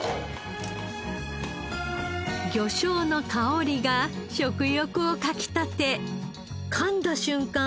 魚醤の香りが食欲をかき立てかんだ瞬間